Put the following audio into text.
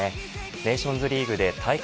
ネーションズリーグで大会